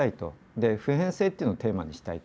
で普遍性っていうのをテーマにしたいと。